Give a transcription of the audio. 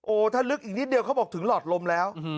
ถ้าลึกอีกนิดเดียวเขาบอกถึงหลอดลมแล้ว